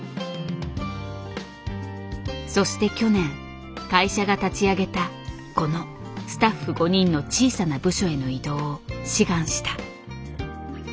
そして去年会社が立ち上げたこのスタッフ５人の小さな部署への異動を志願した。